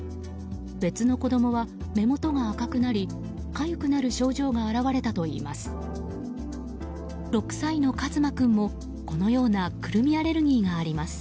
別の子供は目元が赤くなりかゆくなる症状が表れたといいます。